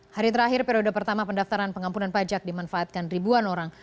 hari terakhir periode pertama pendaftaran pengampunan pajak dimanfaatkan ribuan orang